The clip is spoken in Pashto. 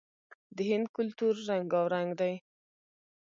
د هند کلتور رنګارنګ دی.